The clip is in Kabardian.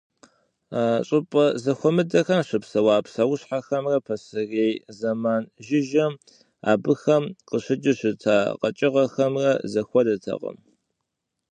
Щӏыпӏэ зэхуэмыдэхэм щыпсэуа псэущхьэхэмрэ пасэрей зэман жыжьэм абыхэм къыщыкӏыу щыта къэкӏыгъэхэмрэ зэхуэдэтэкъым.